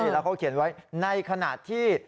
แล้วเขาเขียนไว้ในขณะที่